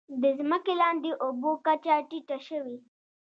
د ځمکې لاندې اوبو کچه ټیټه شوې؟